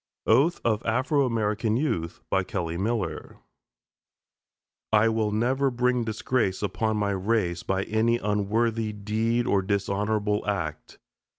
OATH OF AFRO AMERICAN YOUTH KELLY MILLER I will never bring disgrace upon my race by any unworthy deed or dishonorable act.